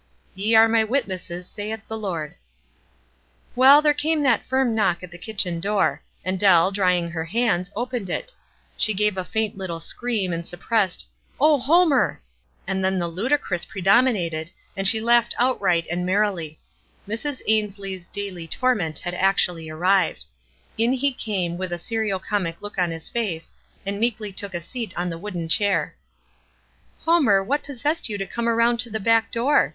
"Ye arc my witnesses, saith the Lord." Well, there came that firm knock at the kitchen door, and Dell, drying her hands, opened it. She gave a faint little scream, a suppressed, "O Homer !" and theu the ludicroua 23 354 WISE AND OTHERWISE. predominated, and she laughed outright and merrily. Mrs. Ainslie's " daily torment " had actually arrived, in he came, with a serio comic look on his face, and meekly took a seat on the wooden chair. " Homer, what possessed you to come around to the back door?"